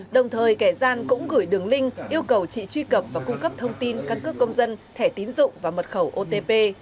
đồng thời kẻ gian cũng gửi đường link yêu cầu chị truy cập và cung cấp thông tin căn cước công dân thẻ tín dụng và mật khẩu otp